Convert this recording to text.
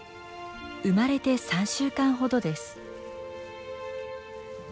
生まれて３週間ほどです。